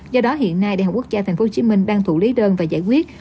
do đó hiện nay đại học quốc gia tp hcm đang thụ lý đơn và giải quyết